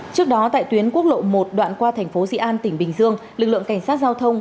trước đó tại tuyến quốc lộ một đoạn qua thành phố dị an tỉnh bình dương lực lượng cảnh sát giao thông